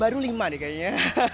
baru lima deh kayaknya